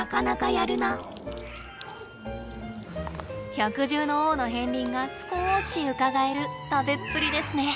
百獣の王の片りんがすこしうかがえる食べっぷりですね。